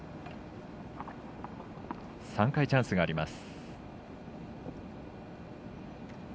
３回チャンスがあります。